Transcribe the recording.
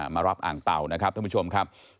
มารับอ่างเต่านะครับท่านผู้ชมครับ